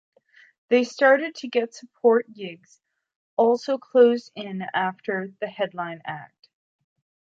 They started to get support gigs also closing in after the headline act.